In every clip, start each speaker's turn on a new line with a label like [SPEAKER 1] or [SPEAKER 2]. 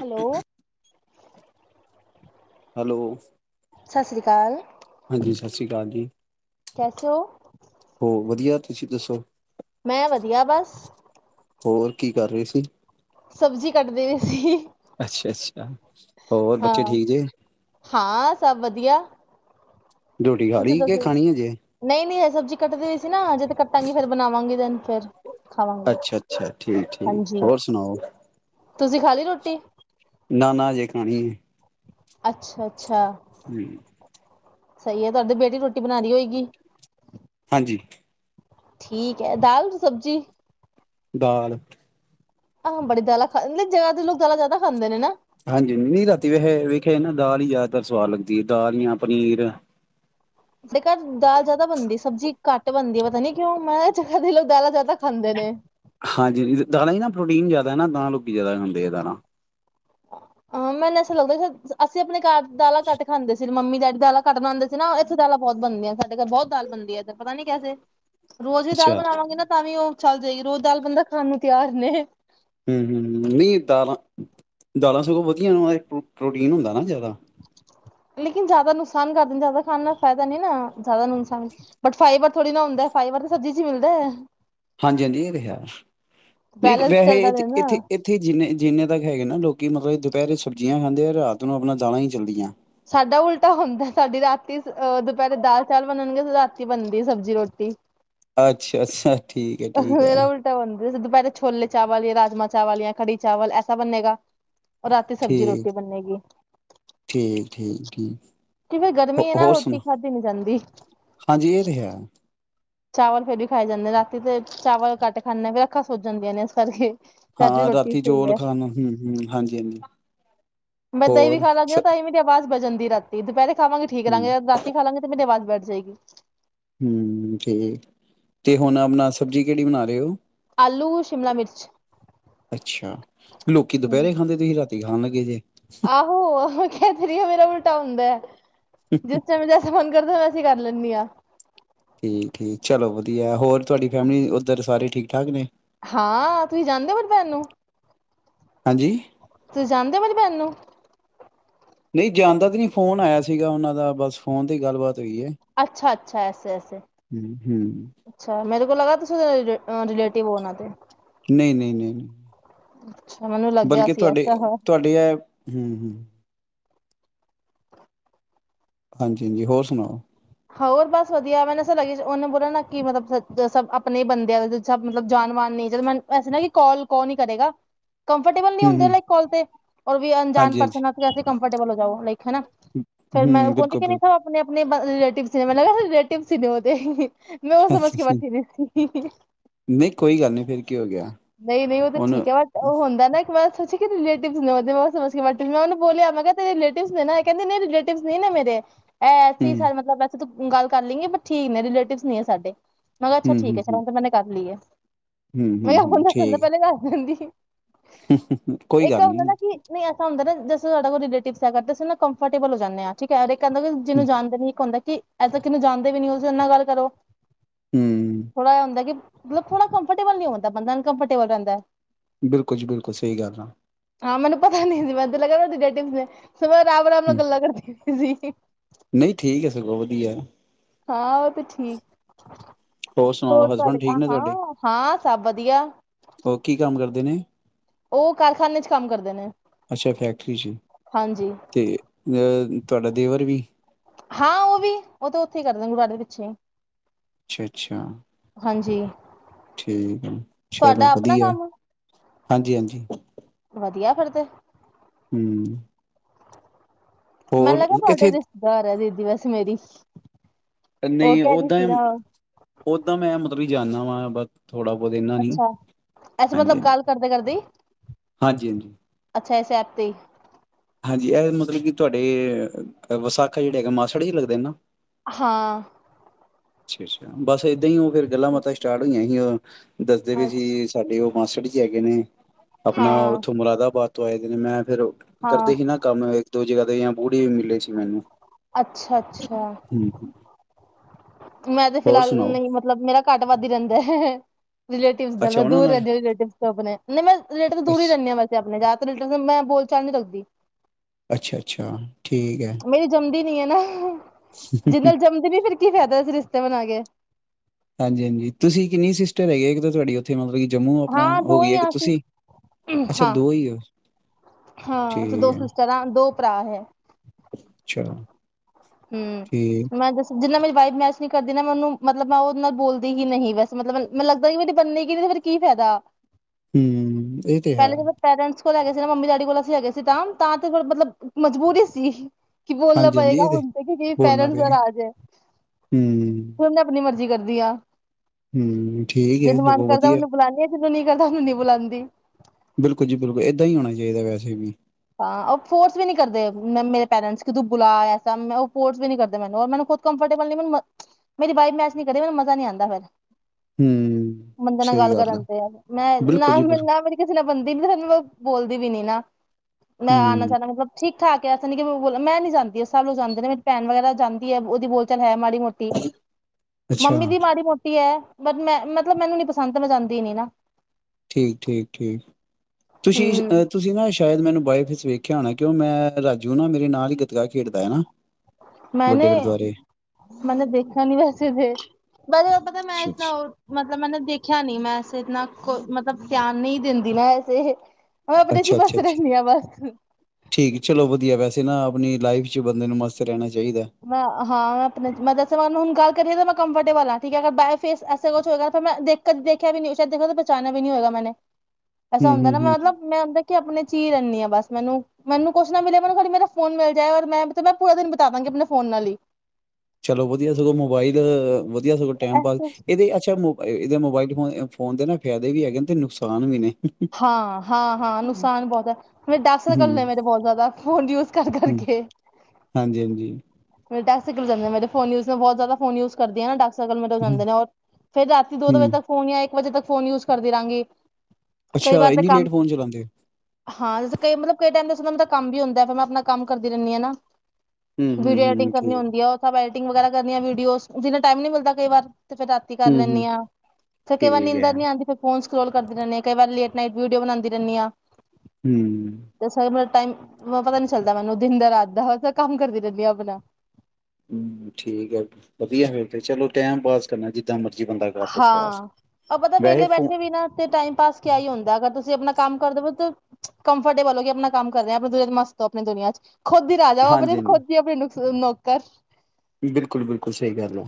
[SPEAKER 1] Hello.
[SPEAKER 2] Hello,
[SPEAKER 1] ਸਤਿ ਸ਼੍ਰੀ ਅਕਾਲ।
[SPEAKER 2] ਹਾਂਜੀ, ਸਤਿ ਸ਼੍ਰੀ ਅਕਾਲ ਜੀ।
[SPEAKER 1] ਕੈਸੇ ਹੋ?
[SPEAKER 2] ਬੋ ਵਧੀਆ, ਤੁਸੀਂ ਦੱਸੋ?
[SPEAKER 1] ਮੈਂ ਵਧੀਆ ਬਸ।
[SPEAKER 2] ਹੋਰ ਕੀ ਕਰ ਰਹੇ ਸੀ?
[SPEAKER 1] ਸਬਜ਼ੀ ਕੱਟਦੀ ਪਈ ਸੀ
[SPEAKER 2] ਅੱਛਾ- ਅੱਛਾ ਹੋਰ
[SPEAKER 1] ਹਾਂ
[SPEAKER 2] ਬੱਚੇ ਠੀਕ ਜੇ?
[SPEAKER 1] ਹਾਂ, ਸਭ ਵਧੀਆ।
[SPEAKER 2] ਰੋਟੀ ਖਾ
[SPEAKER 1] ਤੁਸੀਂ
[SPEAKER 2] ਲਈ ਕੇ
[SPEAKER 1] ਦੱਸੋ,
[SPEAKER 2] ਖਾਣੀ ਹਜੇ
[SPEAKER 1] ਨਹੀਂ -ਨਹੀਂ ਇਹ ਸਬਜ਼ੀ ਕੱਟਦੀ ਵੀ ਸੀ। ਨਾ ਹਜੇ ਤਾਂ ਕੱਟਾਂਗੀ ਫੇਰ ਬਣਾਵਾਂਗੇ ਦਨ ਫੇਰ।
[SPEAKER 2] ਅੱਛਾ-ਅੱਛਾ, ਠੀਕ- ਠੀਕ
[SPEAKER 1] ਹਾਂਜੀ
[SPEAKER 2] ਹੋਰ ਸੁਣਾਓ?
[SPEAKER 1] ਤੁਸੀਂ ਖਾ ਲਈ ਰੋਟੀ?
[SPEAKER 2] ਨਾ- ਨਾ ਹਜੇ ਕਹਾਣੀ ਹੈ।
[SPEAKER 1] ਅੱਛਾ-ਅੱਛਾ।
[SPEAKER 2] ਹੈ
[SPEAKER 1] ਸਹੀ ਹੈ, ਤੁਆਦੀ ਬੇਟੀ ਰੋਟੀ ਬਣਾ ਰਈ ਹੋਏਗੀ?
[SPEAKER 2] ਹਾਂਜੀ।
[SPEAKER 1] ਠੀਕ ਹੈ, ਦਾਲ ਸਬਜ਼ੀ?
[SPEAKER 2] ਦਾਲ।
[SPEAKER 1] ਆਹੋ ਬੜੀ ਦਾਲਾਂ ਖਾਂ, ਨਈ ਜਗਾਦਰੀ ਲੋਕ ਦਾਲਾਂ ਜ਼ਿਆਦਾ ਖਾਂਦੇ ਨੇ ਨਾ?
[SPEAKER 2] ਹਾਂਜੀ, ਨਈ ਰਾਤੀ ਵੈਹੇ ਵੇਖਿਆ ਯਾਏ ਨਾ ਦਾਲ ਈ ਜ਼ਿਆਦਾਤਰ ਸਵਾਦ ਲੱਗਦੀ ਹੈ। ਦਾਲ ਜਾਂ ਪਨੀਰ।
[SPEAKER 1] ਸੇ ਘਰ ਦਾਲ ਜਿਆਦਾ ਬਣਦੀ, ਸਬਜ਼ੀ ਘੱਟ ਬਣਦੀ ਹੈ, ਪਤਾ ਨੀ ਕਿਉਂ? ਮੈਂ ਕੇਆ [unintelligible] ਲੋਕ ਦਾਲਾਂ ਜ਼ਿਆਦਾ ਖਾਂਦੇ ਨੇ।
[SPEAKER 2] ਹਾਂਜੀ, ਦਾਲਾਂ ਚ ਨਾ ਪ੍ਰੋਟੀਨ ਜ਼ਿਆਦਾ ਏ ਨਾ, ਤਾਂ ਲੋਕੀ ਜ਼ਿਆਦਾ ਖਾਂਦੇ ਐ ਦਾਲਾਂ।
[SPEAKER 1] ਹਾਂ, ਮੈਨੂੰ ਐਸਾ ਲੱਗਦਾ ਜ਼, ਅਸੀਂ ਆਪਣੇ ਕਾਰ ਦਾਲਾਂ ਕੱਟ ਖਾਂਦੇ ਸੀ। ਨਈ ਤੇ ਮੰਮੀ ਡੈਡੀ ਦਾਲਾਂ ਕੱਟ ਬਣਾਂਦੇ ਸੀ ਨਾ, ਇੱਥੇ ਦਾਲਾਂ ਬਹੁਤ ਬਣਦੀਆਂ, ਸਾਡੇ ਘਰ, ਬਹੁਤ ਦਾਲ ਬਣਦੀ ਹੈ ਏਧਰ, ਪਤਾ ਨੀ ਕੈੇਸੇ? ਰੋਜ਼ ਵੀ ਦਾਲ
[SPEAKER 2] ਅੱਛਾ
[SPEAKER 1] ਬਣਾਵਾਂਗੇ ਨਾ, ਤਾਂ ਵੀ ਉਹ ਚੱਲ ਜਾਏਗੀ। ਰੋਜ਼ ਦਾਲ ਬੰਦਾ ਖਾਣ ਨੂੰ ਤਿਆਰ ਨੇ।
[SPEAKER 2] ਹੂੰ-ਹੂੰ-ਹੂੰ ਨਈ ਦਾਲਾਂ, ਦਾਲਾਂ ਸਗੋਂ ਵਧੀਆ ਨ ਪ੍ਰੋ ਪ੍ਰੋਟੀਨ ਹੁੰਦਾ ਨਾ ਜ਼ਿਆਦਾ।
[SPEAKER 1] ਲੇਕਿਨ ਜ਼ਿਆਦਾ ਨੁਕਸਾਨ ਕਰ ਦਿੰਦੇ, ਜ਼ਿਆਦਾ ਖਾਣ ਨਾਲ ਫਾਇਦਾ ਨਹੀਂ ਨਾ। ਜ਼ਿਆਦਾ ਨੁਨਸਾਨ, ਬਟ ਫਇਬਰ ਥੋੜ੍ਹੀ ਨਾ ਹੁੰਦਾ ਏ, ਫਾਇਬਰ ਤੇ ਸਬਜ਼ੀ ਚ ਈ ਮਿਲਦਾ ਐ।
[SPEAKER 2] ਹਾਂਜੀ-ਹਾਂਜੀ ਏਹ ਤੇ ਹੈ, ਨਹੀਂ
[SPEAKER 1] ਬੈਲੈਂਸ
[SPEAKER 2] ਵੈਹੇ
[SPEAKER 1] ਚੱਲਦਾ
[SPEAKER 2] ਇੱਥੇ-ਇੱਥੇ
[SPEAKER 1] ਰਹਿੰਦਾ
[SPEAKER 2] ਏ ਇੱਥੇ ਜਿੰਨੇ-ਜਿੰਨੇ ਤੱਕ ਹੈਗੇ ਨਾ ਲੋਕੀ, ਮਤਲਬ ਏਹ ਦੁਪਹਿਰੇ ਸਬਜ਼ੀਆਂ ਖਾਂਦੇ ਔਰ ਰਾਤ ਨੂੰ ਆਪਣਾ ਦਾਲਾਂ ਈ ਚੱਲਦੀਆਂ ਐ।
[SPEAKER 1] ਸਾਡਾ ਉਲਟਾ ਹੁੰਦਾ, ਸਾਡੀ ਰਾਤੀ ਅਹ ਦੁਪਹਿਰੇ ਦਾਲ ਚਾਵਲ ਬਣਨਗੇ, ਰਾਤੀ ਬਣਦੀ ਏ ਸਬਜ਼ੀ ਰੋਟੀ।
[SPEAKER 2] ਅੱਛਾ-ਅੱਛਾ।
[SPEAKER 1] ਮੇਰਾ ਉਲਟਾ ਹੂੰਦਾ, ਜਿਸਾ ਦੁਪਹਿਰੇ ਛੋਲੇ ਚਾਵਲ ਯਾ ਰਾਜਮਾ ਚਾਵਲ ਯਾ ਕੜੀ ਚਾਵਲ ਐਸਾ ਬਨੇਗਾ। ਔਰ ਰਾਤੀ ਸਬਜ਼ੀ ਰੋਟੀ ਬੰਨੇਗੀ।
[SPEAKER 2] ਠੀਕ-ਠੀਕ-ਠੀਕ।
[SPEAKER 1] ਕਿਵੇਂ ਗਰਮੀ ਏ ਨਾ, ਰੋਟੀ ਖਾਦੀ ਨੀ ਜਾਂਦੀ।
[SPEAKER 2] [unintelligible]
[SPEAKER 1] ਚਾਵਲ ਫੇਰ ਵੀ ਖਾਏ ਜਾਂਦੇ, ਰਾਤੀ ਤੇ ਚਾਵਲ ਘੱਟ ਖਾਨੇ ਆ, ਫੇਰ ਅੱਖਾਂ ਸੁਜ ਜਾਂਦੀਆਂ ਨੇ, ਇਸ ਕਰਕੇ।
[SPEAKER 2] ਹਾਂ,
[SPEAKER 1] ਰੋਟੀ
[SPEAKER 2] ਰਾਤੀ
[SPEAKER 1] ਸਹੀ
[SPEAKER 2] ਚੌਲ
[SPEAKER 1] ਹੈ
[SPEAKER 2] ਖਾਣ ਹੂੰ-ਹੂੰ, ਹਾਂਜੀ-ਹਾਂਜੀ।
[SPEAKER 1] ਮੈਂ ਦਹੀਂ ਵੀ ਖਾ ਲਾਂਗੀ ਨਾ, ਤਾਂ ਵੀ ਮੇਰੀ ਆਵਾਜ਼ ਬੇਹ ਜਾਂਦੀ ਏ ਰਾਤੀ, ਦੁਪਹਿਰੇ ਖਾਵਾਂਗੇ ਠੀਕ
[SPEAKER 2] ਹੂੰ
[SPEAKER 1] ਰਾਂਗੇ ਰਾ ਰਾਤੀ ਖਾ ਲਾਂਗੇ ਤੇ ਮੇਰੀ ਆਵਾਜ਼ ਬੈਠ ਜਾਏਗੀ।
[SPEAKER 2] ਹੂੰ, ਠੀਕ, ਤੇ ਹੁਣ ਆਪਣਾ ਸਬਜ਼ੀ ਕੇਅੜੀ ਬਣਾ ਰਏ ਹੋ?
[SPEAKER 1] ਆਲੂ ਸ਼ਿਮਲਾ ਮਿਰਚ
[SPEAKER 2] ਅੱਛਾ, ਲੋਕੀ ਦੁਪਹਿਰੇ ਖਾਂਦੇ, ਤੁਸੀਂ ਰਾ ਤੀ ਖਾਣ ਲੱਗੇ ਜੇ।
[SPEAKER 1] ਆਹੋ-ਆਹੋ ਕਹਿ ਤੇ ਰਹੀ ਹਾ, ਮੇਰਾ ਉਲਟਾ ਹੁੰਦਾ ਏ। ਜਿਸ ਟਾਈਮ ਜੇ ਜੈਸੇ ਮਨ ਕਰਦਾ, ਵੈਸੇ ਈ ਕਰ ਲੈਣੀ ਆ।
[SPEAKER 2] ਠੀਕ-ਠੀਕ ਚਲੋ ਵਧੀਆ, ਹੋਰ ਤੁਆਡੀ ਫੈਮਿਲੀ ਉੱਧਰ ਸਾਰੇ ਠੀਕ ਠਾਕ ਨੇ?
[SPEAKER 1] ਹਾਂ, ਤੁਸੀਂ ਜਾਣਦੇ ਹੋ ਮੇਰੀ ਭੈਣ ਨੂੰ?
[SPEAKER 2] ਹਾਂਜੀ?
[SPEAKER 1] ਤੁਸੀਂ ਜਾਣਦੇ ਹੋ ਮੇਰੀ ਭੈਣ ਨੂੰ?
[SPEAKER 2] ਨਈ ਜਾਣਦਾ ਤੇ ਨਹੀਂ, ਫੋਨ ਆਇਆ ਸੀਗਾ ਉਹਨਾਂ ਦਾ, ਬਸ ਫੋਨ ਤੇ ਗੱਲਬਾਤ ਹੋਈ ਏ।
[SPEAKER 1] ਅੱਛਾ-ਅੱਛਾ, ਐਸੇ-ਐਸੇ।
[SPEAKER 2] ਹੂੰ
[SPEAKER 1] ਅੱਛਾ, ਮੇਰੇ ਕੋ ਲਗਾ, ਤੁਸੀਂ ਅ ਰਿਲੇਟਿਵ ਹੋ ਉਹਨਾਂ ਦੇ।
[SPEAKER 2] ਨਹੀਂ-ਨਹੀਂ-ਨਹੀਂ-ਨਹੀਂ।
[SPEAKER 1] [inaudible] ਲੱਗਿਆ
[SPEAKER 2] ਬਲਕਿ
[SPEAKER 1] ਸੀ
[SPEAKER 2] ਤੁਹਾਡੇ,
[SPEAKER 1] ਐਸਾ ਹੈ।
[SPEAKER 2] ਤੁਹਾਡੇ ਆ, ਹੂੰ-ਹੂੰ। ਹਾਂਜੀ-ਹਾਂਜੀ, ਹੋਰ ਸੁਣਾਓ?
[SPEAKER 1] ਹੋਰ ਬਸ ਵਧੀਆ, ਮੈ ਲੱ [unintelligible] ਉਹਨੇ ਬੋਲਨ ਦਾ ਕਿ ਮਤਲਬ, ਸਭ ਆਪਣੇ ਬੰਦੇਆਂ ਸਬ ਮਤਲਬ ਜਾਨਵਾਨ ਨੇਜਰਮਨ, ਐਸੇ ਨਾ ਕਿ ਕਲ ਕੌਨ ਈ ਕਰੇਗਾ? ਕੰਫਰਟੇਬਲ ਨੀ
[SPEAKER 2] ਹੂੰ
[SPEAKER 1] ਹੁੰਦੇ
[SPEAKER 2] ਹੂੰ
[SPEAKER 1] ਲਾਈਕ ਕੋਲ ਤੇ, ਔਹ ਵੀ ਅਣਜਾਨ
[SPEAKER 2] ਹਾਂਜੀ
[SPEAKER 1] ਪਰਸਨ
[SPEAKER 2] ਹਾਂਜੀ
[SPEAKER 1] ਨਾਲ ਤੇ ਵੈਸੇ ਈ ਕੰਫਰਟੇਬਲ ਹੋ ਜਾਓ ਲਾਈਕ ਹੈ ਨਾ? ਫੇਰ ਮੈਂ
[SPEAKER 2] ਹੂੰ ਬਿਲਕੁਲ
[SPEAKER 1] [unintelligible] ਆਪਣੇ-ਆਪਣੇ ਬ ਰਿਲੇਟਿਵਸ ਸੀ, ਮੈਨੂੰ ਲਗਾ ਰਲੇਟਿਵਸ ਈ ਨੇ ਔਦੇ, ਮੈਂ ਉਹ ਸਮਝ ਕੇ
[SPEAKER 2] ਬਿਲਕੁਲ
[SPEAKER 1] ਬੈਠੀ ਦੀ ਸੀ।
[SPEAKER 2] ਨਹੀਂ ਕੋਈ ਗੱਲ ਨਹੀਂ ਫਿਰ ਕੀ ਹੋ ਗਿਆ
[SPEAKER 1] ਨਈ-ਨਈ ਉਹ ਤਾਂ
[SPEAKER 2] ਉਹਨੂੰ
[SPEAKER 1] ਠੀਕ ਹੈ ਬਟ ਉਹ ਹੁੰਦਾ ਨਾ ਮਤਲਬ ਅਸੀਂ ਰਿਲੇਟਵ ਨੇ ਉਹ ਸਮਝ ਕੇ ਬੈਠੇ ਸੀ, ਉਹਨੂੰ ਬੋਲਿਆ ਮੈਂ ਕਿਹਾ ਤੇ ਰਿਲੇਟਵ ਨੇ ਨਾ ਕਹਿੰਦੇ ਰਿਲੇਟਿਵਸ ਨ ਨੀ ਮੇਰੇ।
[SPEAKER 2] ਹੂੰ
[SPEAKER 1] ਐਸੀ ਸਾਰੇ ਮਤਲਬ ਵਸੇ ਗੱਲ ਕਰ ਲੈਗੇ ਬਟ ਠੀਕ ਨੇ, ਰਿਲੇਟਿਵ ਨੀ ਹੈ ਸਾਡੇ। ਮੈਂ ਕਿਹਾ ਅੱਛਾ
[SPEAKER 2] ਹੂੰ
[SPEAKER 1] ਠੀਕ
[SPEAKER 2] ਹੂੰ
[SPEAKER 1] ਐ। ਚਲੋ
[SPEAKER 2] ਹੂੰ
[SPEAKER 1] ਹੁਣ ਤਾਂ ਮੈਨੇ ਕਰ ਲਈ ਏ।
[SPEAKER 2] ਹੂੰ
[SPEAKER 1] ਮੈਂ
[SPEAKER 2] ਹੂੰ
[SPEAKER 1] ਕਿਹਾ ਹੁਣ
[SPEAKER 2] ਹੂੰ
[SPEAKER 1] ਦਸਨ ਤੋਂ
[SPEAKER 2] ਠੀਕ
[SPEAKER 1] ਪਹਿਲੇ ਦਸ ਦਿੰਦੀ।
[SPEAKER 2] ਹੈ, ਕੋਈ
[SPEAKER 1] ਇੱਕ
[SPEAKER 2] ਗੱਲ
[SPEAKER 1] ਆ
[SPEAKER 2] ਨਹੀਂ
[SPEAKER 1] ਹੁੰਦਾ ਨਾ ਕਿ ਨਹੀਂ ਐਸਾ ਹੁੰਦਾ ਨਾ ਜੇਸਾ ਸਾਡਾ ਕੋਈ ਰਿਲੇਟਿਵ ਹੈਗਾ, ਅਸੀ ਨਾ ਕੰਫਰਟੇਲ ਹੋ ਜਾਂਦੇ ਆ। ਠੀਕ ਹੈ ਕਹਿੰਦਾ ਕਿ ਜਿਹਨੂੰ
[SPEAKER 2] ਹੂੰ,
[SPEAKER 1] ਜਾਣਦੇ ਨ ਇੱਕ ਹੁੰਦਾ ਕਿ ਐਸਾ ਕਿਹਨੂੰ ਜਾਣਦੇ ਵੀ ਨੀ ਉਸਦੇ ਨਾਲ ਗੱਲ ਕਰੋ।
[SPEAKER 2] ਹੂੰ।
[SPEAKER 1] ਥੋੜ ਹੁੰਦਾ ਕਿ, ਮਤਲਬ ਥੋੜਾ ਕੰਫਰਟੇਬਲ ਨੀ ਹੁੰਦਾ, ਬੰਦਾ ਅਨਕੰਫਰੇਬਲ ਰਹਿੰਦਾ।
[SPEAKER 2] ਬਿਲਕੁਲ ਜੀ ਬਿਲਕੁਲ ਸਹੀ ਗੱਲ ਆ।
[SPEAKER 1] ਹਾਂ, ਮੈਨੂੰ ਪਤਾ ਨੀ ਸੀ ਮੈਂ ਲਗਾ ਰਿਲੇਟੀਵ ਨੇ ਸਗੋਂ ਮੈਂ ਆਰਾਮ-ਆਰਾਮ ਨਾਲ ਗੱਲਾਂ ਕਰਦੀ ਪਈ ਸੀ।
[SPEAKER 2] ਨਈ, ਠੀਕ ਐ, ਸਗੋਂ ਵਧੀਆ।
[SPEAKER 1] ਹਾਂ, ਉਹ ਤੇ ਠੀਕ। ਹੋਰ
[SPEAKER 2] ਸੁਣਾਓ
[SPEAKER 1] ਤੁਹਾਡੇ
[SPEAKER 2] ਹਸਬੰਡ ਠੀਕ
[SPEAKER 1] ਆ
[SPEAKER 2] ਨੇ ਤੁਹਾਡੇ
[SPEAKER 1] ਹਾਂ-ਹਾਂ, ਸਭ ਵਧੀਆ।
[SPEAKER 2] ਉਹ ਕੀ ਕੰਮ ਕਰਦੇ ਨੇ?
[SPEAKER 1] ਉਹ ਕਾਰਖਾਨੇ ਚ ਕੰਮ ਕਰਦੇ ਨੇ,
[SPEAKER 2] ਅੱਛਾ ਫੈਕਟਰੀ 'ਚ
[SPEAKER 1] ਹਾਂਜੀ।
[SPEAKER 2] ਤੇ ਤੁਹਾਡਾ ਦੇਵਰ ਵੀ।
[SPEAKER 1] ਹਾਂ ਉਹ ਵੀ, ਉਹ ਤਾਂ ਉੱਥੇ ਹੀ ਕਰਦੇ ਗੁਰਦੁਆਰੇ ਦੇ ਪਿੱਛੇ ਹੀ।
[SPEAKER 2] ਅੱਛਾ-ਅੱਛਾ।
[SPEAKER 1] ਹਾਂਜੀ
[SPEAKER 2] ਠੀਕ ਆ, ਚਲੋ
[SPEAKER 1] ਤੁਹਾਡਾ ਆਪਣਾ
[SPEAKER 2] ਵਧੀਆ।
[SPEAKER 1] ਕੰਮ
[SPEAKER 2] ਹਾਂਜੀ-ਹਾਂਜੀ।
[SPEAKER 1] ਵਧੀਆ ਫਿਰ ਤੇ
[SPEAKER 2] ਹੂੰ।
[SPEAKER 1] ਮੈਨੂੰ ਲੱਗਾ ਤੁਹਾਡੇ
[SPEAKER 2] ਇੱਥੇ
[SPEAKER 1] ਰਿਸ਼ਤੇਦਾਰ ਐ, ਦੀਦੀ ਵੇਸੇ ਮੇਰੀ ਉਹ
[SPEAKER 2] ਨਈ,
[SPEAKER 1] ਕਹਿ ਰਹੀ
[SPEAKER 2] ਓਦਾਂ,
[SPEAKER 1] ਸੀ ਨਾ
[SPEAKER 2] ਓਦਾਂ ਮੈਂ ਮਤਲਬ ਜਾਂਦਾ ਵਾ ਬਸ। ਥੋੜਾ ਬਹੁਤ ਇਨਾ ਨੀ
[SPEAKER 1] ਅੱਛਾ ਐਸੇ ਮਤਲਬ ਗੱਲ ਕਰਦੇ-ਕਰਦੇ ਹੀ
[SPEAKER 2] ਹਾਂਜੀ-ਹਾਂਜੀ-ਹਾਂਜੀ-ਹਾਂਜੀ।
[SPEAKER 1] ਅੱਛਾ, ਐਸੇ ਆ ਤੇ ਹੀ।
[SPEAKER 2] ਹਾਂਜੀ, ਇਹ ਮਤਲੱਬ ਕਿ ਤੁਹਾਡੇ ਵਿਸਾਖਾ ਜਿਹੜੇ ਹੈਗਾ, ਮਾਸੜ ਜੀ ਲੱਗਦੇ ਨਾ
[SPEAKER 1] ਹਾਂ।
[SPEAKER 2] ਅੱਛਾ-ਅੱਛਾ, ਬਸ ਏਦਾਂ ਹੀ ਉਹ ਫਿਰ ਗੱਲਾਂ ਬਾਤਾਂ ਸਟਾਰਟ ਹੋਈਆਂ ਸੀ। ਉਹ ਦੱਸਦੇ ਪਏ
[SPEAKER 1] ਅੱਛਾ
[SPEAKER 2] ਸੀ ਸਾਡੇ ਉਹ ਮਾਸੜ ਜੀ ਹੈਗੇ ਨੇ, ਆਪਣਾ
[SPEAKER 1] ਹਾਂ-ਹਾਂ
[SPEAKER 2] ਉੱਥੋਂ ਮੁਰਾਦਾਬਾਦ ਤੋਂ ਆਏ ਨੇ ਮੈਂ ਫਿਰ ਕਰਦੇ ਸੀ ਨਾ ਕੰਮ, ਇੱਕ-ਦੋ ਜਗ੍ਹਾ ਤੇ ਜਾਂ ਬੂੜੀ ਵੀ ਮਿਲੇ ਸੀ ਮੈਨੂੰ
[SPEAKER 1] ਅੱਛਾ-ਅੱਛਾ।
[SPEAKER 2] ਹੂੰ।
[SPEAKER 1] ਮੈਂ ਤੇ ਫਿਲਹਾਲ ਨਈ ਮਤਲੱਬ ਮੇਰਾ ਘੱਟ ਵੱਧ ਰਹਿੰਦਾ ਐ, ਰਿਲੇਟਿਵ ਨਾਲ
[SPEAKER 2] ਅੱਛਾ ਉਹਨਾਂ
[SPEAKER 1] ਦੂਰ ਰਹਿੰਦੀ ਰਿਲੇਟਿਵ ਚੁੱਪ ਨੇ, ਨਈ ਮੈਂ ਰਿਲੇਟਿਵ ਤੋਂ ਦੂਰ ਹੀ
[SPEAKER 2] ਅੱਛਾ
[SPEAKER 1] ਰਹਿੰਦੀ ਆ ਵੈਸੇ ਆਪਣੇ ਜਿਆਦਾਤਰ ਰਿਲੇਟਿਵ, ਮੈਂ ਬੋਲ ਚਾਲ ਨੀ ਰੱਖਦੀ।
[SPEAKER 2] ਅੱਛਾ-ਅੱਛਾ ਠੀਕ ਐ।
[SPEAKER 1] ਫਿਰ ਜੰਮਦੀ ਨੀ ਐ ਨਾ, ਜਿਦੇ ਨਾਲ ਜੰਮਦੀ ਨਹੀਂ ਫਿਰ ਕੀ ਫਾਇਦਾ ਐਸੇ ਰਿਸ਼ਤੇ ਬਣਾ ਕੇ
[SPEAKER 2] ਹਾਂਜੀ- ਹਾਂਜੀ, ਤੁਸੀਂ ਕਿੰਨੀ ਸਿਸਟਰ ਹੈਗੇ ਇੱਕ ਤਾਂ ਤੁਹਾਡੀ ਉੱਥੇ ਮਤਲਬ ਕਿ ਜੰਮੂ ਆਪਣਾ
[SPEAKER 1] ਹਾਂ
[SPEAKER 2] ਹੋ
[SPEAKER 1] ਦੋ
[SPEAKER 2] ਗਈ
[SPEAKER 1] ਹੀ
[SPEAKER 2] ਹੈ ਕਿ
[SPEAKER 1] ਹਾਂ ਅਸੀਂ
[SPEAKER 2] ਤੁਸੀਂ, ਅੱਛਾ
[SPEAKER 1] ਹਾਂ
[SPEAKER 2] ਦੋ ਹੀ ਹੋ।
[SPEAKER 1] ਹਾਂ, ਅਸੀਂ ਦੋ
[SPEAKER 2] ਠੀਕ ਹੈ
[SPEAKER 1] ਸਿਸਟਰਾਂ ਆ, ਦੋ ਭਰਾ ਹੈ।
[SPEAKER 2] ਅੱਛਾ
[SPEAKER 1] ਹੂੰ,
[SPEAKER 2] ਠੀਕ
[SPEAKER 1] ਮੈਂ ਦੱਸ ਜਿੰਨਾ ਮੇਰੀ ਵਾਈਫ ਮੈਸ਼ੀ ਕਰਦੀ ਮੈਂ ਉਹਨੂੰ ਮਲ ਮੈਂ ਉਹਦੇ ਨਾਲ ਬੋਲਦੀ ਹੀ ਨਹੀਂ ਵੈਸ ਮਤਲਬ ਮੈਨੂੰ ਲੱਗਦਾ ਕਿ ਮੇਰੀ ਬਨੇਗੀ ਫੇਰ। ਕੀ ਫਾਇਦਾ।
[SPEAKER 2] ਹੂੰ, ਇਹ ਤੇ ਹੈ।
[SPEAKER 1] ਪਹਿਲੇ ਜਦੋਂ ਪੇਰੈਂਟਸ ਕੋਲ ਹੈਗੇ ਸੀ ਨਾ ਮੰਮੀ ਡੈਡੀ ਕੋਲ ਸੀ ਹੈਗੇ ਸੀ ਤਾਂ, ਤਾਂ ਤੇ ਮਤਲਬ ਮਜਬੂਰੀ ਸੀ। ਕੀ ਬੋਲਣਾ
[SPEAKER 2] ਹਾਂਜੀ ਹਾਂਜੀ
[SPEAKER 1] ਪੇਗਾ।
[SPEAKER 2] ਇਹ
[SPEAKER 1] ਹੁਣ ਤੇ ਕਿਹੜਾ
[SPEAKER 2] ਬੋਲਣਾ
[SPEAKER 1] ਪੈਰੈਂਟਰ ਦਾ
[SPEAKER 2] ਪਏਗਾ
[SPEAKER 1] ਰਾਜ ਐ।
[SPEAKER 2] ਹੂੰ
[SPEAKER 1] ਆਪਣੀ ਮਰਜ਼ੀ ਕਰਦੀ ਆ।
[SPEAKER 2] ਹੂੰ ਠੀਕ ਹੈ
[SPEAKER 1] ਜਿਹਨੂੰ ਮਨ
[SPEAKER 2] ਸਗੋਂ
[SPEAKER 1] ਕਰਦਾ
[SPEAKER 2] ਵਧੀਆ
[SPEAKER 1] ਉਹਨੂੰ ਬੁਲਾਣੀ ਆ। ਜਿਹਨੂੰ ਨੀ ਕਰਦਾ ਉਹਨੂੰ ਨੀ ਬੁਲਾਦੀ।
[SPEAKER 2] ਬਿਲਕੁਲ ਜੀ, ਬਿਲਕੁਲ ਇੱਦਾਂ ਹੀ ਹੋ ਚਾਹੀਦਾ ਵੈਸੇ ਵੀ।
[SPEAKER 1] ਹਾਂ, ਉਹ ਫੋਰਸ ਵੀ ਨੀ ਕਰਦੇ। ਮੈਂ ਮੇਰੇ ਪੈਰੈਂਟਸ ਕਿ ਤੂੰ ਬੁਲਾ ਐਸਾ ਮੈਂ ਉਹ ਫੋਰਸ ਵੀ ਨੀ ਕਰਦੇ, ਮੈਨੂੰ ਔਰ ਮੈਨੂੰ ਖੁਦ ਕੰਫਰਟੇਬਲ ਨਈ, ਮੇਰੀ ਵਾਈਫ ਮੈਸ ਨਈ ਦੇ ਰਿਹੀਂ ਮੈਨੂੰ ਮਜ਼ਾ ਨੀ ਆਂਦਾ ਫਿਰ ਬੰਦੇ ਨਾਲ ਗੱਲ ਕਰਨ ਤੇ ਆ, ਮੈਂ
[SPEAKER 2] ਬਿਲਕੁਲ
[SPEAKER 1] ਨਾ ਬ
[SPEAKER 2] ਜੀ ਬਿਲਕੁਲ
[SPEAKER 1] ਮੇਰੀ ਕਿਸੇ ਨਾਲ ਬਣਦੀ ਵੀ, ਫਿਰ ਬੋਲਦੀ ਵੀ ਨਈ ਨਾ, ਮੈਂ ਆ ਜਾ
[SPEAKER 2] ਹੂੰ
[SPEAKER 1] ਜਾਣਾ ਮਤਲੱਬ, ਠੀਕ -ਠਾਕ ਅਸਾਂ ਨੀ ਕਿ ਬੋਲ ਮੈਂ ਨਈ ਜਾਂਦੀ, ਸਭ ਜਾਂਦੇ ਨੇ, ਭੈਣ ਵਗੈਰਾ ਜਾਂਦੀ ਏ ਉਹਦੀ ਬੋਲ -ਚਾਲ ਮਾੜੀ- ਮੋਟੀ
[SPEAKER 2] ਅੱਛਾ
[SPEAKER 1] ਮੰਮੀ ਦੀ, ਮਾੜੀ -ਮੋਟੀ ਹੈ, ਬਟ ਮੈਂ ਮਤਲੱਬ ਮੈਨੂੰ ਨਹੀਂ ਪਸੰਦ ਮੈਂ ਜਾਂਦੀ ਨਈ ਨਾ
[SPEAKER 2] ਠੀਕ, ਠੀਕ-ਠੀਕ ਤੁਸੀਂ
[SPEAKER 1] ਹਮ
[SPEAKER 2] ਤੁਸੀਂ ਨਾ, ਸ਼ਾਇਦ ਮੈਨੂੰ ਬਾਈਫੇਸ ਵੇਖਿਆ ਹੋਣਾ, ਕਿਉਂ ਮੈਂ ਰਾਜੂ, ਨਾ ਮੇਰੇ ਨਾਲ ਹੀ ਗੱਤਕਾ ਖੇਡਦਾ ਹੈ ਨਾ।
[SPEAKER 1] ਮੈਂਨੇ
[SPEAKER 2] ਵੱਡੇ ਗੁਰਦੁਆਰੇ
[SPEAKER 1] -ਮੈਂਨੇ ਦੇਖਿਆ ਨੀ ਵੈਸੇ ਫਿਰ ਬਾਰੇ, ਉਹ ਪਤਾ ਮੈਂ
[SPEAKER 2] ਅੱਛਾ
[SPEAKER 1] ਇਸ
[SPEAKER 2] ਅੱਛਾ
[SPEAKER 1] ਮਤਲੱਬ ਮੈ ਦੇਖਿਆ ਨੀ, ਮੈਂ ਐੇ ਇਤਨਾ ਮਤਲੱਬ ਧਿਆਨ ਨਈ ਦਿੰਦੀ ਮੈਂ ਐਸੇ ਓਂ ਆਪਣੇ ਚ,
[SPEAKER 2] ਅੱਛਾ
[SPEAKER 1] ਮਸਤ
[SPEAKER 2] ਅੱਛਾ ਅੱਛਾ
[SPEAKER 1] ਰਹਿੰਦੀ ਆ ਬਸ।
[SPEAKER 2] ਠੀਕ, ਚਲੋ ਵਧੀਆ ਵੈਸੇ ਨਾ ਆਪਣੀ ਲਾਈਫ ਚ, ਬੰਦੇ ਨੂੰ ਮਸਤ ਰਹਿਣਾ ਚਾਹੀਦਾ।
[SPEAKER 1] ਮੈਂ ਹਾਂ ਮੈਂ ਆਪਣੇ ਚ, ਦੱਸ ਨੂੰ ਹੁਣ ਗੱਲ ਕਰੀਏ ਤਾਂ ਮੈਂ, ਕੰਫਰਟੇਬਲ ਹਾ ਠੀਕ ਆ ਮੈਂ ਪਹੇ ਫੇਸ ਐਸਾ ਕੁੱਛ ਹੋਏਗਾ, ਮੈਂ ਦੇਖ ਕ ਦੇਖਿਆ ਵੀ ਨਈ ਸ਼ਾਇਦ, ਪਹਚਾਣਿਆ ਵੀ ਨਹੀਂ ਹੋਏਗਾ ਮੈਂ ਨੇ। ਐਸਾ
[SPEAKER 2] ਹੂੰ
[SPEAKER 1] ਹੁੰਦਾ
[SPEAKER 2] ਹੂੰ
[SPEAKER 1] ਨਾ,
[SPEAKER 2] ਹੂੰ
[SPEAKER 1] ਮੈਂ
[SPEAKER 2] ਹੂੰ।
[SPEAKER 1] ਮਤਲੱਬ ਮੈਂ ਆਪਣੇ ਚੀ ਹੀ ਰਹਿੰਨੀਂ ਹਾਂ ਬਸ ਮੈਨੂੰ ਮੈਨੂੰ ਕੁੱਛ ਨਾ ਮਿਲੇ, ਮੈਨੂੰ ਮੇਰਾ ਖਾਲੀ ਫੋਨ ਮਿਲ ਜਾਏ, ਔਰ ਮੈਂ ਪੂਰਾ ਦਿਨ ਬਤਾਂਗੀ ਆਪਣੇ, ਫੋਨ ਨਾਲ ਹੀ।
[SPEAKER 2] ਚਲੋ ਵਧੀਆ, ਸਗੋਂ ਮੋਬਾਈਲ ਵਧੀਆ ਸਗੋਂ ਟੈਮ ਪਾਸ, ਇਹਦੇ ਅੱਛਾ ਇਹਦੇ ਮੋਬਾਈਲ, ਫੋਨ -ਫੋਨ ਦੇ ਨਾ ਫਾਇਦੇ ਵੀ ਹੈਗੇ, ਨੇ ਤੇ ਨੁਕਸਾਨ ਵੀ ਨੇ।
[SPEAKER 1] ਹਾਂ, ਹਾਂ, ਹਾਂ,
[SPEAKER 2] ਹੂੰ
[SPEAKER 1] ਨੁਕਸਾਨ ਬਹੁਤ ਆ। ਮੇਂ ਦਸ ਘਲੇ
[SPEAKER 2] ਹੂੰ
[SPEAKER 1] ਮੇਰੇ ਫੋਨ ਬਹੁਤ ਜ਼ਿਆਦਾ, ਫੋਨ ਯੂਜ ਕਰ-ਕਰ ਕੇ
[SPEAKER 2] ਹਾਂਜੀ -ਹਾਂਜੀ
[SPEAKER 1] ਮੇ ਡੈਸਲ ਜਾਂਦੇ ਮੇਰੇ ਫੋਨ ਯੂਜ ਮੈਂ ਬਹੁਤ ਜ਼ਿਆ- ਦਾ ਫੋਨ ਯੂਜ ਕਰਦੀ ਨਾ ਡਸ ਜਗਲ ਮਡਲ
[SPEAKER 2] ਹੂੰ
[SPEAKER 1] ਜਾਂਦੇ ਨੇ, ਰ ਫਿਰ ਰਾਤੀ ਦੋ ਵਜੇ
[SPEAKER 2] ਹੂੰ
[SPEAKER 1] ਤੱਕ ਫੋਨ ਜਾਂ, ਇੱਕ ਵਜੇ ਤੱਕ, ਫੋਨ ਯੂਜ਼ ਕਰਦੀ ਰਹਾਂਗੀ। ਕਈ
[SPEAKER 2] ਅੱਛਾ
[SPEAKER 1] ਵਾਰ, ਤਾਂ
[SPEAKER 2] ਇੰਨੀ
[SPEAKER 1] ਕੰਮ
[SPEAKER 2] ਲੇਟ ਫੋਨ ਚਲਾਉਂਦੇ ਹੋ।
[SPEAKER 1] ਹਾਂ ਕਈ ਮਤਲਬ, ਕਈ ਟਾਈਮ ਤੇ ਕੰਮ ਵੀ ਹੁੰਦਾ, ਫਿਰ ਮੈਂ ਆਪਣਾ ਕੰਮ ਕਰਦੀ, ਰਹਿੰਦੀ ਹਾਂ ਨਾ
[SPEAKER 2] ਹੂੰ ਹੂੰ
[SPEAKER 1] ਵੀਡੀਓ,
[SPEAKER 2] ਹੂੰ
[SPEAKER 1] ਐਡੀਟਿੰਗ ਕਰਨੀ
[SPEAKER 2] ਠੀਕ
[SPEAKER 1] ਹੋਣ ਗਈਆਂ। ਸਭ ਐਡਟਿੰਗਵਗੈਰਾ ਕਰਨੀਆ ਵੀਡੀਓਜ਼ ਦਿਨੇ ਟਾਈਮ ਨਹੀਂ ਮਿਲਦਾ ਕਈਵਾਰ ਤੇ ਫਿਰ ਰਾ ਕਰ
[SPEAKER 2] ਹੂੰ ਹੂੰ
[SPEAKER 1] ਲੈਂਦੀ ਹਾਂ, ਫਿਰ ਕਈ ਵਾਰੀ
[SPEAKER 2] ਠੀਕ ਹੈ
[SPEAKER 1] ਨੀਂਦਰ ਨੀ ਆਉਂਦੀ ਫਿਰ ਫੋਨ ਸਕੋਲ ਕਰਦੀ ਰਹਿੰਦੀ ਕਈ ਵਾਰ, ਲੇਟ ਨਾਈਟ ਵੀਡੀਓ ਬਣਾਉਂਦੀ ਰਹਿੰਦੀ ਹਾਂ
[SPEAKER 2] ਹੂੰ
[SPEAKER 1] ਤੇ ਟਾਇਮ ਮੈਂਨੂੰ ਪਤਾ ਨੀ ਚੱਲਦਾ, ਮੈਨੂੰ ਦਿਨ ਦਾ ਰਾਤ ਬਸ ਕੰਮ, ਕਰਦੀ ਰਹਿੰਦੀ ਹਾਂ ਆਪਣਾ
[SPEAKER 2] ਹਮ ਠੀਕ ਹੈ ਵਧੀਆ ਫਿਰ, ਚਲੋ ਟਮ ਪਾਸ, ਕਰਨਾ, ਜਿੱਦਾਂ ਮਰਜ਼ੀ ਬੰਦਾ ਕਰ ਲੈ ਪਾਸ
[SPEAKER 1] ਹਾਂ। ਅ ਪਤਾ
[SPEAKER 2] ਵੈਸੇ
[SPEAKER 1] ਵਿਹਲੇ
[SPEAKER 2] ਫੋ
[SPEAKER 1] ਬੈਠੇ ਵੀ ਨਾ ਤੇ ਟਾਈਮ ਪਾਸ ਕਿਆ ਹੀ ਹੁੰਦਾ, ਅਗਰ ਤੁਸੀਂ ਆਪਣਾ ਕੰਮ ਕਰ ਦੇਵੋ ਤਾਂ ਕੰਫਰਟੇਬਲ ਹੋ ਕੇ, ਆਪਣਾ ਕੰਮ ਕਰ ਰਹੇ, ਆਪਣੀ ਦੁਨੀਆਂ ਮਸਤ ਹੋ, ਆਪਣੀ ਦੁਨੀਆਂ ਚ ਖੁਦ ਦੀ ਰਾਜਾ, ਵ ਆਪਣੇ
[SPEAKER 2] ਹਾਂਜੀ ਹਾਂਜੀ
[SPEAKER 1] ਖੁਦ ਦੀ ਆਪਣੀ ਨੌਕਰ
[SPEAKER 2] ਬਿਲਕੁਲ- ਬਿਲਕੁਲ ਸਹੀ ਗੱਲ ਆ।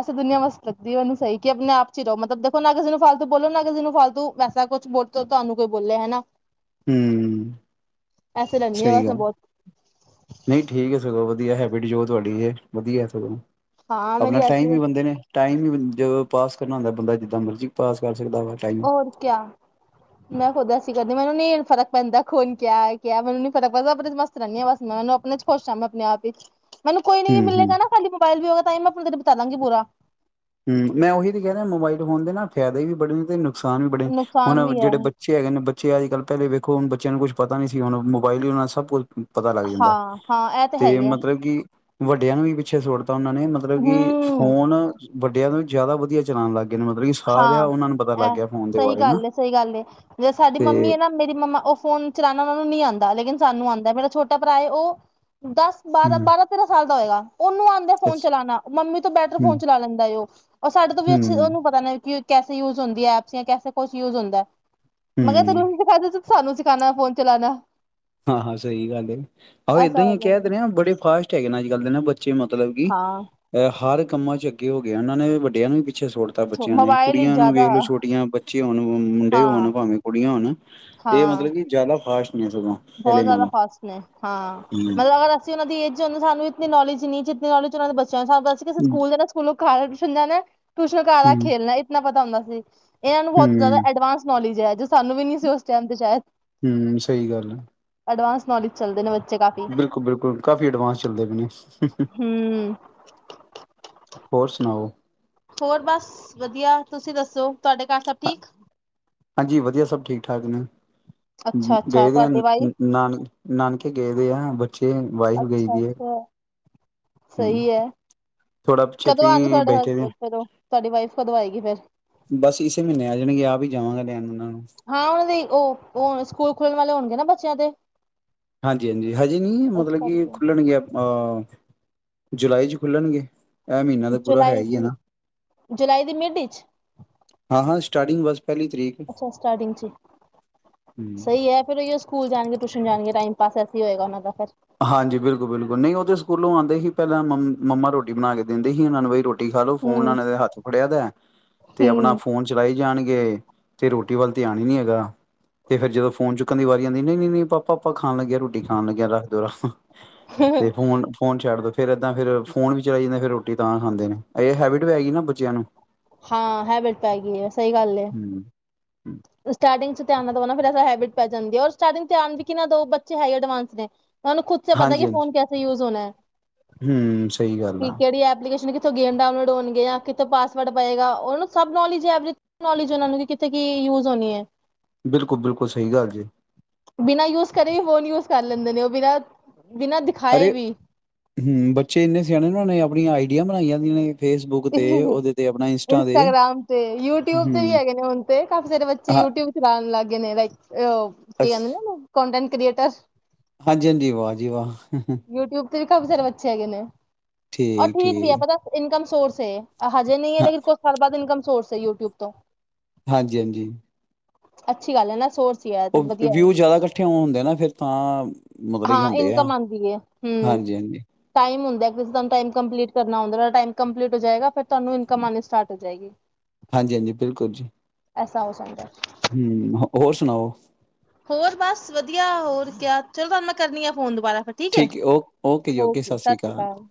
[SPEAKER 1] ਐਸ ਦੁਨੀਆ ਵਾਸਤੇ ਸਹੀ ਕਿ, ਆਪਣੇ ਆਪ ਹੀ ਰਹੋ, ਮਤਲਬ ਦੇਖੋ ਨਾ ਕਿਸੇ ਨੂੰ ਫਾਲਤੂ ਬੋਲੋ, ਨ ਕਿਸੇ ਨੂੰ ਫਾਲਤੂ ਵੈਸਾ ਕੁਛ ਬੋਲ ਤੁਹਾਨੂੰ ਕੋਈ ਬੋਲੇ ਹਨਾ।
[SPEAKER 2] ਹਮ
[SPEAKER 1] ਐਸੇ ਰਹਿੰਦੀ ਆ
[SPEAKER 2] ਸਹੀ
[SPEAKER 1] ਬਸ ਮੈਂ
[SPEAKER 2] ਗੱਲ।
[SPEAKER 1] ਬਹੁਤ
[SPEAKER 2] ਨਹੀਂ ਠੀਕ ਹੈ, ਸਗੋਂ ਵਧੀਆ ਹੈਬਿਟ, ਜੋ ਤੁਹਾਡੀ ਇਹ ਵਧੀਆ ਸਗੋਂ।
[SPEAKER 1] ਹਾਂ
[SPEAKER 2] ਆਪਣਾ,
[SPEAKER 1] ਮੇਰੀ
[SPEAKER 2] ਟਾਈਮ
[SPEAKER 1] ਐਸੀ
[SPEAKER 2] ਵੀ
[SPEAKER 1] ਹੈ
[SPEAKER 2] ਬੰਦੇ ਨੇ, ਟਾਈਮ ਵੀ ਜੇ ਪਾਸ ਕਰਨਾ ਹੁੰਦਾ ਬੰਦਾ ਜਿੱਦਾਂ, ਮਰਜ਼ੀ ਪਾਸ ਕਰ ਸਕਦਾ ਵਾ। ਟਾਈਮ
[SPEAKER 1] ਹੋਰ ਕਿਆ ਮੈਂ ਖੁੱਦ ਹਸੀ ਜਾਂਦੀ, ਮੈਨੂੰ ਨੀ ਫਰਕ ਪੈਂਦਾ ਕੋਣ ਕਿਆ -ਕਿਆ ਮੈਨੂੰ ਨੀ ਫਰਕ ਪੈਂਦਾ ਆਪਣੇ ਚੱ ਮਸਤ? ਰਹਿੰਦੀ ਹਾਂ ਬਸ ਮੈਂ, ਉਹਨੂੰ ਆਪਣੇ ਚ ਖੁਸ਼ ਮੈਂ ਆਪਣੇ ਆਪ ਹੀ। ਮੈਨੂੰ, ਕੋਈ ਨ ਵੀ
[SPEAKER 2] ਹੂੰ ਹੂੰ
[SPEAKER 1] ਮਿਲੇਗਾ ਨਾ, ਸਾ ਮੋਬਾਈਲ ਨਾਲ ਵੀ ਹੇਗਾ ਤਾਂ ਮੈਂ ਆਪਣਾ ਦਿਨ ਬਿਤਾਵਾਂਗੀ ਪੂਰਾ।
[SPEAKER 2] ਹਮ ਮੈਂ ਉਹੀ ਤੇ ਕਹਿ ਰਿਹਾਂ, ਮੋਬਾਈਲ ਫੋਨ ਦੇ ਨਾ ਫਾਇਦੇ ਵੀ ਬੜੇ ਨੇ, ਤੇ ਨੁਕਸਾਨ ਵੀ ਬੜੇ ਨੇ ਹੁਣ
[SPEAKER 1] ਨੁਕਸਾਨ ਵੀ ਹੈ
[SPEAKER 2] ਜਿਹੜੇ ਬੱਚੇ ਬੱਚੇ ਹੈਗੇ ਨੇ ਬੱਚੇ ਅੱਜ -ਕੱਲ ਪਹਿਲੇ ਵੇਖ ਹੁਣ, ਬੱਚਿਆਂ ਨੂੰ ਕੁੱਛ ਪਤਾ ਨਹੀਂ ਸੀ, ਹੁਣ ਮੋਬਾਈਲ ਹੀ ਨਾਲ ਸਭ ਕੁੱਛ ਪਤਾ ਲੱਗ ਜਾਂਦਾ,
[SPEAKER 1] ਹਾਂ ਹਾਂ ਇਹ ਤਾਂ ਹੈ
[SPEAKER 2] ਤੇ
[SPEAKER 1] ਹੀ ਹੈ
[SPEAKER 2] ਮਤਲੱਬ ਕਿ ਵੱਡਿਆਂ ਨੂੰ ਵੀ, ਪਿੱਛੇ ਛੋੜਤਾ ਉਹਨਾਂ ਨੇ, ਮਤਲੱਬ ਕਿ
[SPEAKER 1] ਹੂੰ
[SPEAKER 2] ਫੋਨ, ਵੱਡਿਆਂ ਨਾਲੋਂ, ਜਿਆਦਾ ਵਧੀਆ ਚਲਾਉਣ ਲੱਗ ਗਏ ਨੇ ਮਤਲਬ ਕਿ ਸਾਰਿਆ
[SPEAKER 1] ਹਾਂ,
[SPEAKER 2] ਉਹਨਾਂ ਨੂੰ ਪਤਾ ਲੱਗ
[SPEAKER 1] ਐ,
[SPEAKER 2] ਗਿਆ ਫੋਨ ਦੇ
[SPEAKER 1] ਸਹੀ
[SPEAKER 2] ਬਾਰੇ ਨਾ
[SPEAKER 1] ਗੱਲ ਏ, ਸਹੀ ਗੱਲ ਏ। ਜਿਵੇਂ ਸਾਡੀ
[SPEAKER 2] ਤੇ
[SPEAKER 1] ਮੰਮੀ ਏ, ਨਾ ਮੇਰੀ ਮੰਮਾ ਉਹ ਫੋਨ ਚਲਾਣਾ ਉਹਨਾ ਨੂੰ ਨਹੀਂ ਆੰਦਾ, ਲੇਕਿਨ ਸਾਨੂੰ ਆੰਦਾ। ਮੇਰਾ ਛੋਟਾ ਭਰਾ ਏ ਉਹ, ਦੱਸ ਬਾਰਾ,
[SPEAKER 2] ਹਮ
[SPEAKER 1] ਬਾਰਾ, ਤੇਰਾ ਸਾਲ ਦਾ ਹੋਇਗਾ, ਉਹਨੂੰ ਆਂਦੇ ਫੋਨ
[SPEAKER 2] ਅੱਛ
[SPEAKER 1] ਚਲਾਣਾ, ਮੰਮੀ ਤੋਂ ਬੈਟਰ
[SPEAKER 2] ਹਮ
[SPEAKER 1] ਫੋਨ ਚਲਾ ਲੈਂਦਾ ਏ ਉਹ, ਔਰ ਸਾਡੇ ਤੋਂ ਵੀ ਅੱਛੇ
[SPEAKER 2] ਹਮ
[SPEAKER 1] ਉਹਨੂੰ ਪ ਕੈਸੇ ਯੂਜ ਹੁੰਦੀ ਐ, ਐਪਸੀ ਯਾ ਕੈਸੇ, ਕੁਛ ਯੂਜ ਹੁੰਦਾ ਐ, ਮੈਂ ਕਿਆ
[SPEAKER 2] ਹਮ
[SPEAKER 1] ਤੈਂਨੁ ਸਾਨੂੰ ਸਿਖਾਂਨਾ ਫੋਨ ਚਲਾਣਾ।
[SPEAKER 2] ਹਾਂ-ਹਾਂ, ਸਹੀ ਗੱਲ ਏ, ਆਹੋ ਏਦਾਂ
[SPEAKER 1] ਐਸਾ ਹੋ
[SPEAKER 2] ਹੀ ਕਹਿ ਤੇ
[SPEAKER 1] ਜਾਂਦਾ।
[SPEAKER 2] ਰਿਹਾਂ, ਬੜੇ ਫਾਸਟ ਹੈਗੇ ਨੇ, ਅੱਜ-ਕੱਲਦੇ ਨਾ, ਬ ਬੱਚੇ, ਮਤਲਬ ਕਿ
[SPEAKER 1] ਹਾਂ
[SPEAKER 2] ਅਹ ਹਰ ਕੰਮਾਂ'ਚ ਅੱਗੇ ਹੋਗੇ, ਉਹਨਾਂ ਨੇ ਵੱਡਿਆਂ ਨੂੰ ਪਿੱਛੇ ਛੋੜਤਾ ਬੱਚਿਆਂ ਨੇ,
[SPEAKER 1] ਮੋਬਾਇਲ ਹੀ
[SPEAKER 2] ਕੁੜੀਆਂ ਨੂੰ
[SPEAKER 1] ਜ਼ਿਆਦਾ
[SPEAKER 2] ਵੇਖਲੋ ਛੋਟੀਆਂ, ਬੱਚੇ ਹੋਣ ਮੁੰਡੇ
[SPEAKER 1] ਹਾਂ
[SPEAKER 2] ਹੋਣ, ਭਾਵੇਂ ਕੁੜੀਆਂ ਹੋਣ ਇਹ
[SPEAKER 1] ਹਾਂ।
[SPEAKER 2] ਮਤਲਬ ਕਿ ਜ਼ਿਆਦਾ ਫਾਸਟ ਨੇਂ, ਸਗੋਂ।
[SPEAKER 1] ਬਹੁਤ
[SPEAKER 2] ਪਹਿਲੇ
[SPEAKER 1] ਜ਼ਿਆਦਾ
[SPEAKER 2] ਨਾਲੋਂ
[SPEAKER 1] ਫ਼ਾਸਟ ਨੇ, ਹਾਂ, ਮੈਨ
[SPEAKER 2] ਹਮ
[SPEAKER 1] ਲਗਦਾ ਜਿਹੜੀ ਓਨਾਂ ਦੀ ਏਜ ਸਾਨੂੰ ਇਤਨੀ ਨੋਲੇਜ ਨਹੀਂ, ਜਿਤਨੀ ਨੌਲੇਜ ਉਹਨਾਂ ਨੂੰ ਬੱਚਿਆਂ ਦੇ ਹਿਸਾਬ ਨਾਲ। ਕਿ ਅਂ ਸਕੂਲ ਸਕੂਲੋਂ ਘਰ ਆਕੇ ਟਊਸ਼ਨ ਜਾਣਾ, ਟਊਸ਼ਨ ਘਰ ਆਕੇ
[SPEAKER 2] ਹਮ
[SPEAKER 1] ਖੇਲਣਾ, ਇਤਨਾ ਪਤਾ ਹੁੰਦਾ ਸੀ। ਇਹਨਾਂ ਨੂੰ ਬਹੁਤ
[SPEAKER 2] ਹਮ
[SPEAKER 1] ਜ਼ਿਆਦਾ ਐਡਵਾਂਸ ਨੌਲੇਜ ਐ, ਜੋ ਸਾਨੂੰ ਵੀ ਨੀ ਸੀ, ਉਸ ਟਾਈਮ ਤੇ ਸ਼ਾਇਦ।
[SPEAKER 2] ਹੂੰ, ਸਹੀ ਗੱਲ ਆ।
[SPEAKER 1] ਅਡਵਾਂਸ ਨੌਲੇ ਚੱਲਦੇ ਨੇ ਬੱਚੇ, ਕਾ
[SPEAKER 2] ਬਿਲਕੁਲ-ਬਿਲਕੁਲ, ਕਾਫੀ ਅਡਵਾਂਸ ਚੱਲਦੇ ਪਏ ਨੇ।
[SPEAKER 1] ਹੂੰ
[SPEAKER 2] ਹੋਰ, ਸੁਣਾਓ?
[SPEAKER 1] ਹੋਰ ਬਸ, ਵਧੀਆ। ਤੁਸੀਂ ਦੱਸੋ, ਤੁਹਾਡੇ ਘਰ ਸਭ ਠੀਕ?
[SPEAKER 2] ਹਾਂਜੀ, ਵਧੀਆ ਸਭ ਠੀਕ-ਠਾਕ ਨੇ।
[SPEAKER 1] ਅੱਛਾ ਅੱਛਾ
[SPEAKER 2] ਗਏਦੇ ਆ
[SPEAKER 1] ਤੁਹਾਡੀ ਵਾਈਫ
[SPEAKER 2] ਨਾਨ, ਨਾਨਕੇ ਗਏਦੇ ਆ ਨੇ ਬੱਚੇ, ਵਾਈਫ
[SPEAKER 1] ਅੱਛਾ
[SPEAKER 2] ਗਏਦੀ ਹੈ।
[SPEAKER 1] ਅੱਛਾ,
[SPEAKER 2] ਹੂੰ
[SPEAKER 1] ਸਹੀ ਏ।
[SPEAKER 2] ਥੋੜਾ ਪਿੱਛੇ
[SPEAKER 1] ਕਦੋਂ ਆਨ
[SPEAKER 2] ਫ੍ਰੀ
[SPEAKER 1] ਤੁਹਾਡੇ ਹਸ
[SPEAKER 2] ਬੈਠੇ ਦੇ
[SPEAKER 1] ਫਿਰ ਓ, ਤੁਹਾਡੀ ਵਾਈਫ ਕਦੋਂ ਆਇਗੀ ਫੇਰ?
[SPEAKER 2] ਬਸ ਇਸੇ ਮਹੀਨੇ ਆ ਜਾਣਗੇ, ਆਪ ਹੀ ਜਾਵਾਂਗਾ ਲੈਣ ਉਹਨਾਂ ਨੂੰ।
[SPEAKER 1] ਹਾਂ, ਉਹ ਨਹੀਂ। ਉਹ, ਉਹ ਹੁਣ ਸਕੂਲ ਖੁੱਲਣ ਵਾਲੇ ਹੋਣਗੇ ਨਾ ਬੱਚਿਆ ਦੇ?
[SPEAKER 2] ਹਾਂਜੀ-ਹਾਂਜੀ, ਹਜੇ ਨਹੀਂ
[SPEAKER 1] ਇਸ
[SPEAKER 2] ਮਤਲਬ ਕਿ,
[SPEAKER 1] ਕਰਕੇ
[SPEAKER 2] ਖੁੱਲਣਗੇ, ਅ ਜੁਲਾਈ'ਚ ਖੁੱਲਣਗੇ। ਐ ਮਹੀਨਾ ਤਾ ਪੂਰਾ
[SPEAKER 1] ਜੁਲਾਈ
[SPEAKER 2] ਹੈਹੀ, ਐ
[SPEAKER 1] ਦੀ
[SPEAKER 2] ਨਾ।
[SPEAKER 1] ਜੁਲਾਈ ਦੀ ਮਿਡ ਵਿੱਚ
[SPEAKER 2] ਹਾਂ-ਹਾਂ, ਸਟਾਰਟਿੰਗ ਬਸ, ਪਹਿਲੀ ਤਰੀਕ।
[SPEAKER 1] ਅੱਛਾ, ਸਟਾਰਟਿੰਗ'ਚ
[SPEAKER 2] ਹੂੰ
[SPEAKER 1] ਸਹੀ ਐ। ਫਿਰ ਏਈਓ ਸਕੂਲ ਜਾਣਗੇ, ਟਿਊਸ਼ਨ ਜਾਣਗੇ, ਟਾਈਮਪਾਸ ਐਸੇ ਹੀ ਹੋਏਗਾ ਉਹਨਾਂ ਦਾ ਫਿਰ।
[SPEAKER 2] ਹਾਂਜੀ, ਬਿਲਕੁਲ-ਬਿਲਕੁਲ। ਨਹੀਂ ਉਹ ਤੇ ਸਕੂਲੋਂ ਆਉਂਦੇ ਹੀ ਪਹਿਲਾਂ, ਮ ਮੰਮਾ ਰ੍ਹੋਟੀ ਬਣਾਕੇ ਦੇੰਦੀ ਹੀ ਉਹਨਾਂ ਨੂੰ, ਵੀ ਰ੍ਹੋ ਰੋਟੀ ਖਾਲੋ, ਫੋਨ ਇਹਨਾਂ
[SPEAKER 1] ਹੂੰ
[SPEAKER 2] ਨਾਲ ਹੱਥ ਫੜਿਆਦਾ ਹੈ, ਤੇ ਆਪਣਾ
[SPEAKER 1] ਹੂੰ
[SPEAKER 2] ਫੋਨ ਚਲਾਈ ਜਾਣਗੇ, ਤੇ ਰ੍ਹੋਟੀ ਵੱਲ ਧਿਆਨ ਹੀ ਨੀ ਹੈਗਾ। ਤੇ ਫਿਰ ਜਦੋਂ ਫੋਨ ਚੁੱਕਣ ਦੀ ਵਾਰੀ ਆਂਦੀ, ਨਹੀਂ-ਨਹੀਂ ਪਾ ਪਾਪਾ ਖਾਣ ਲੱਗਿਆ, ਰੋਟੀ ਖਾਣ ਲੱਗਿਆ ਰੱਖਦੋ, ਹਾਂ ਤੇ ਫੋਨ ਫੋਨ ਛੱਡਦੋ, ਫਿਰ ਏਦਾਂ ਫਿਰ ਫੋਨ ਵੀ ਚਲਾਈ ਜਾਂਦੇਨ ਫਿਰ ਰ੍ਹੋਟੀ ਤਾਂ ਖਾਂਦੇ ਨੇ, ਇਹ ਹੈਬਿਟ ਵੀ ਹੈਗੀ ਨਾ, ਬੱਚਿਆਂ ਨੂੰ।
[SPEAKER 1] ਹਾਂ, ਹੈਬਿਟ ਪੈ ਗਈ ਹੈ, ਸਹੀ ਗੱਲ ਏ।
[SPEAKER 2] ਹੂੰ।
[SPEAKER 1] ਸਟਾਰਟਿੰਗ'ਚ ਧਿਆਨ ਨਾ‌ ਦਵੋ ਨਾ ਫਿਰ ਹੈਬਿਟ ਪੈ ਜਾਂਦੀ, ਹੋਰ ਸਟਾਰਟਿੰਗ ਧਿਆਨ ਵੀ ਕੀ ਨਾ ਦੋ, ਬੱਚੇ ਹੈਹੀ ਅਡਵਾਂਸ ਨੇ। ਤੁਹਾਨੂੰ ਖੁਦ ਸੇ ਪਤਾ, ਕਿ
[SPEAKER 2] ਹਾਂਜੀ-ਹਾਂਜੀ
[SPEAKER 1] ਫੋਨ ਕੈਸੇ ਯੂਜ ਹੋਣਾ ਐ,
[SPEAKER 2] ਹੂੰ ਸਹੀ ਗੱਲ
[SPEAKER 1] ਕਿ
[SPEAKER 2] ਆ
[SPEAKER 1] ਕਿਹੜੀ ਐਪਲੀਕੇਸ਼ ਕਿਥੋਂ ਗੇਮ ਡਾਊਨਲੋਡ ਹੋਣਗੇ ਯਾ, ਕਿੱਥੋਂ ਪਾਸਵਰਡ ਪਇਗਾ, ਉਹਨਾਂ ਨੂੰ ਸਭ ਨੌਲੇਜ ਐ, ਐਵਰੀ ਨੌਲੇਜ ਏ, ਉਹਨਾਂ ਨੂੰ, ਵੀ ਕਿੱਥੇ ਕੀ, ਯੂਜ ਹੋਣੀ ਏ।
[SPEAKER 2] ਬਿਲਕੁਲ-ਬਿਲਕੁਲ, ਸਹੀ ਗੱਲ ਜੇ।
[SPEAKER 1] ਬਿਨਾਂ ਯੂਜ ਕਰੇ, ਫੋਨ ਯੂਜ ਕਰ ਲੈਂਦੇ ਨੇ। ਉਹ ਬਿਨਾਂ, ਬਿਨਾਂ ਦਿਖਾਏ
[SPEAKER 2] ਅਰੇ!
[SPEAKER 1] ਵੀ
[SPEAKER 2] ਹੂੰ, ਬੱਚੇ ਇੰਨੇ ਸਿਆਣੇ ਉਹਨਾਂ ਨੇ ਆਪਣੀਆਂ ਆਈਡੀਆਂ ਬਣਾਈ ਦੀਆਂ ਨੇ। ਬੁਕ ਤੇ, ਉਹਦੇ ਤੇ ਆਪਣਾ ਇੰਸਟਾ ਦੇ
[SPEAKER 1] ਇੰਸਟਾਗ੍ਰਾਮ ਤੇ, ਯੂਟਿਊਬ ਤੇ ਵੀ
[SPEAKER 2] ਹੂੰ,
[SPEAKER 1] ਹੈਗੇ ਨੇ ਹੁਣ ਤੇ, ਕਾਫੀ ਸਾਰੇ ਬੱਚੇ
[SPEAKER 2] ਹਾਂ
[SPEAKER 1] ਯੂਟਿਊਬ ਚਲਾਣ ਲੱਗ ਗਏ ਨੇ ਲਾਈਕ ਉਹ, ਕੀ
[SPEAKER 2] ਅਛ
[SPEAKER 1] ਆਂਹਦੇ ਨੇ, ਕੌਂਡਨ‌ ਕ੍ਰੀਏਟਰਸ।
[SPEAKER 2] ਹਾਂਜੀ-ਹਾਂਜੀ, ਵਾਹ ਜੀ, ਵਾਹ!
[SPEAKER 1] ਯੂਟਿਊਬ ਤੇ ਵੀ ਕਾਫੀ ਸਾਰੇ ਬੱਛੇ ਹੈਗੇ ਨੇ, ਉਹ ਠੀਕ ਵੀ ਹੈ
[SPEAKER 2] ਠੀਕ-ਠੀਕ,
[SPEAKER 1] ਪਤਾ ਇਨਕਮ ਸੋਰਸ ਹੈ ਹਜੇ ਨਹੀਂ ਹੈ,
[SPEAKER 2] ਹਾਂ,
[SPEAKER 1] ਲੇਕਿਨ ਕੁਛ ਸਮੇਂ ਬਾਅਦ ਇਨਕਮ ਸੋਰਸ ਹੈ ਯੂਟਿਊਬ ਤੋਂ
[SPEAKER 2] ਹਾਂਜੀ, ਹਾਂਜੀ
[SPEAKER 1] ਅੱਛੀ ਗੱਲ ਏ ਨਾ ਸੋਰਸ ਹੀ ਹੈ ਤੇ
[SPEAKER 2] ਉਹ
[SPEAKER 1] ਵਧੀਆ ਹੈ
[SPEAKER 2] ਵਿਊ ਜ਼ਿਆਦਾ ਇਕੱਠੇ ਹੋਣਦੇ ਨਾ, ਫੇਰ ਤਾਂ ਮਤਲਬ ਹੁੰਦੇ ਆ ਹਾਂਜੀ-ਹਾਂਜੀ।
[SPEAKER 1] ਹੂੰ ਟਾਈਮ ਹੁੰਦਾ ਕਿਸੇ ਤੁਹਾਨੂੰ ਟਾਈਮ ਕੰਪਲੀਟ ਕਰਨਾ ਹੁੰਦਾ ਟਾਈਮ ਕੰਪਲੀਟ ਹੋ ਜਾਏਗਾ ਫਿਰ ਤੁਹਾਨੂੰ ਇਨਕਮ ਆਉਣੀ ਸਟਾਰਟ ਹੋ ਜਾਏਗੀ [inaudible]
[SPEAKER 2] ਹਾਂਜੀ, ਹਾਂਜੀ ਬਿਲਕੁਲ ਜੀ,
[SPEAKER 1] ਐਸਾ ਹੋ ਸਕਦਾ
[SPEAKER 2] ਹੂੰ ਹੋਰ ਸੁਣਾਓ
[SPEAKER 1] ਹੋਰ ਬਸ ਵਧੀਆ, ਹੋਰ ਕਿਆ, ਚਲੋ ਤੁਹਾਨੂੰ ਮੈਂ ਕਰਦੀ ਆ ਫੋਨ ਦੁਬਾਰਾ ਫਿਰ ਠੀਕ ਏ, ਓਕੇ ਸਤਿ ਸ੍ਰੀ ਅਕਾਲ